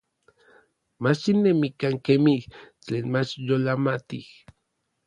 Mach xinemikan kemij tlen mach yolamatij.